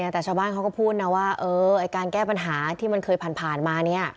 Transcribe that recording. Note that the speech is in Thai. แต่ชาวบ้านเขาก็พูดนะว่าการแก้ปัญหาที่มันเคยผ่านมา